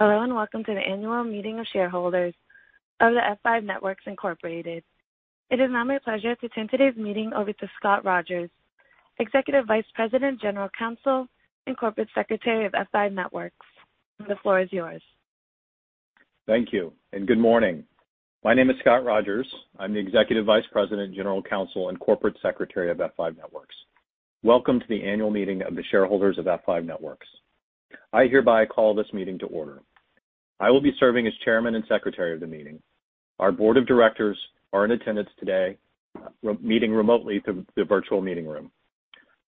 Hello and welcome to the annual meeting of shareholders of the F5 Networks Incorporated. It is now my pleasure to turn today's meeting over to Scott Rogers, Executive Vice President, General Counsel, and Corporate Secretary of F5 Networks. The floor is yours. Thank you and good morning. My name is Scott Rogers. I'm the Executive Vice President, General Counsel, and Corporate Secretary of F5 Networks. Welcome to the annual meeting of the shareholders of F5 Networks. I hereby call this meeting to order. I will be serving as Chairman and Secretary of the meeting. Our Board of Directors are in attendance today, meeting remotely through the virtual meeting room.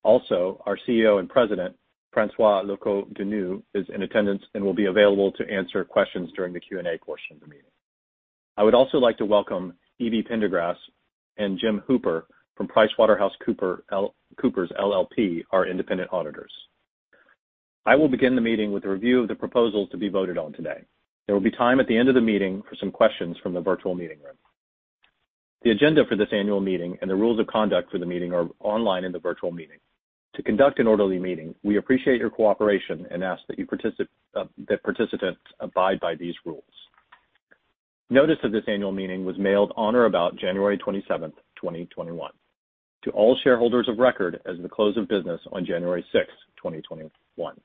Also, our CEO and President, François Locoh-Donou, is in attendance and will be available to answer questions during the Q&A portion of the meeting. I would also like to welcome Tim Prendergast and Jim Hooper from PricewaterhouseCoopers LLP, our independent auditors. I will begin the meeting with a review of the proposals to be voted on today. There will be time at the end of the meeting for some questions from the virtual meeting room. The agenda for this annual meeting and the rules of conduct for the meeting are online in the virtual meeting. To conduct an orderly meeting, we appreciate your cooperation and ask that participants abide by these rules. Notice of this annual meeting was mailed on or about January 27, 2021. To all shareholders of record, as the close of business on January 6, 2021.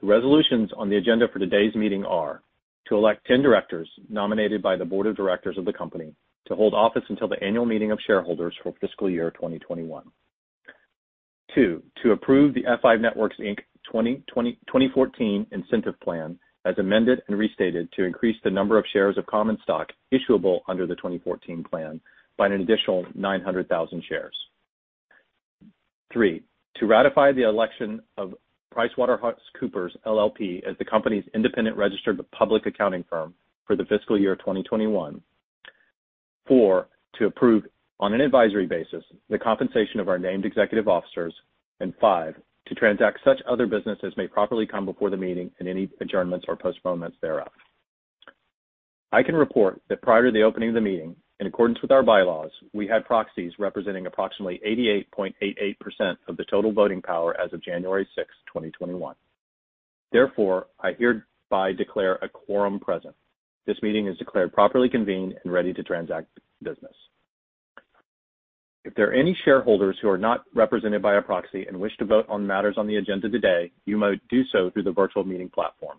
The resolutions on the agenda for today's meeting are: to elect 10 directors nominated by the Board of Directors of the company to hold office until the annual meeting of shareholders for fiscal year 2021, to approve the F5 Networks, Inc. 2014 Incentive Plan as amended and restated to increase the number of shares of common stock issuable under the 2014 Plan by an additional 900,000 shares, to ratify the election of PricewaterhouseCoopers LLP as the company's independent registered public accounting firm for the fiscal year 2021, to approve, on an advisory basis, the compensation of our Named Executive Officers, and to transact such other business as may properly come before the meeting and any adjournments or postponements thereof. I can report that prior to the opening of the meeting, in accordance with our bylaws, we had proxies representing approximately 88.88% of the total voting power as of January 6, 2021. Therefore, I hereby declare a quorum present. This meeting is declared properly convened and ready to transact business. If there are any shareholders who are not represented by a proxy and wish to vote on matters on the agenda today, you may do so through the virtual meeting platform.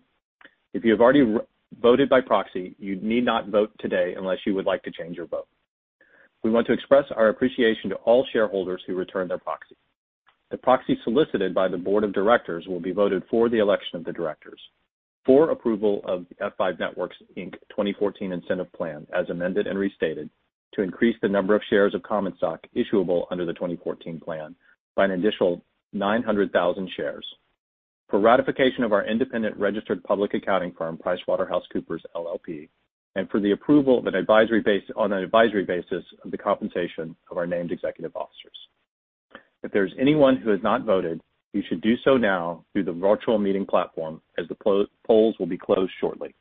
If you have already voted by proxy, you need not vote today unless you would like to change your vote. We want to express our appreciation to all shareholders who return their proxy. The proxy solicited by the Board of Directors will be voted for the election of the directors for approval of the F5 Networks, Inc. 2014 incentive plan as amended and restated to increase the number of shares of common stock issuable under the 2014 Plan by an additional 900,000 shares for ratification of our independent registered public accounting firm, PricewaterhouseCoopers LLP, and for the approval on an advisory basis of the compensation of our Named Executive fficers. If there is anyone who has not voted, you should do so now through the virtual meeting platform as the polls will be closed shortly.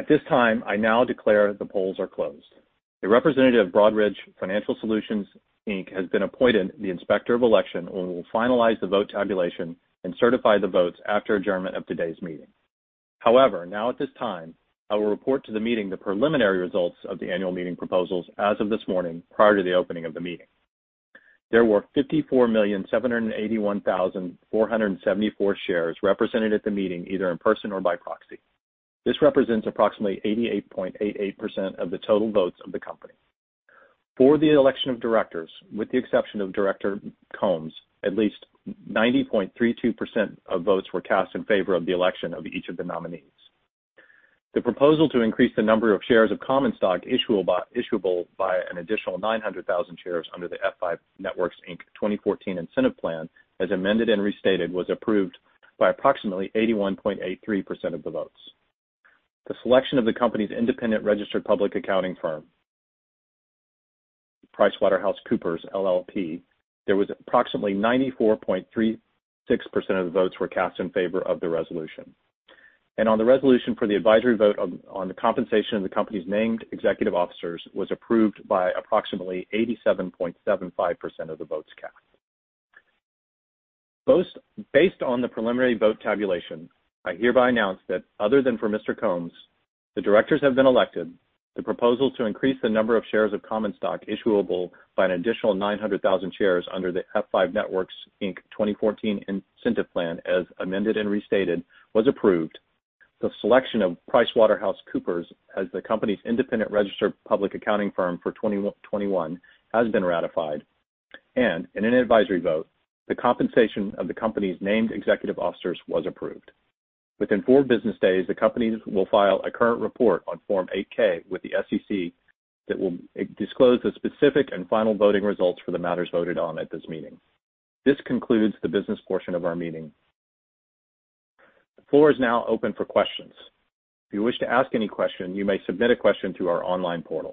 At this time, I now declare the polls are closed. A representative of Broadridge Financial Solutions, Inc. has been appointed the inspector of election and will finalize the vote tabulation and certify the votes after adjournment of today's meeting. However, now at this time, I will report to the meeting the preliminary results of the annual meeting proposals as of this morning prior to the opening of the meeting. There were 54,781,474 shares represented at the meeting either in person or by proxy. This represents approximately 88.88% of the total votes of the company. For the election of directors, with the exception of Director Combes, at least 90.32% of votes were cast in favor of the election of each of the nominees. The proposal to increase the number of shares of common stock issuable by an additional 900,000 shares under the F5 Networks, Inc. 2014 Incentive Plan as amended and restated was approved by approximately 81.83% of the votes. The selection of the company's independent registered public accounting firm, PricewaterhouseCoopers LLP. There was approximately 94.36% of the votes were cast in favor of the resolution, and on the resolution for the advisory vote on the compensation of the company's Named Executive Officers was approved by approximately 87.75% of the votes cast. Based on the preliminary vote tabulation, I hereby announce that other than for Mr. Combes, the directors have been elected, the proposal to increase the number of shares of common stock issuable by an additional 900,000 shares under the F5 Networks, Inc. 2014 Incentive Plan as amended and restated was approved, the selection of PricewaterhouseCoopers as the company's independent registered public accounting firm for 2021 has been ratified, and in an advisory vote, the compensation of the company's Named Executive Officers was approved. Within four business days, the companies will file a current report on Form 8-K with the SEC that will disclose the specific and final voting results for the matters voted on at this meeting. This concludes the business portion of our meeting. The floor is now open for questions. If you wish to ask any question, you may submit a question to our online portal.